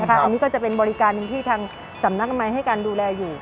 อันนี้ก็จะเป็นบริการหนึ่งที่ทางสำนักอนามัยให้การดูแลอยู่